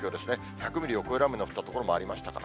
１００ミリを超える雨が降った所もありましたから。